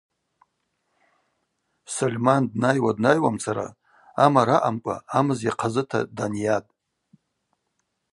Сольман днайуа-днайуамцара амара аъамкӏва амыз йахъазыта данйатӏ.